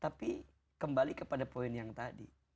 tapi kembali kepada poin yang tadi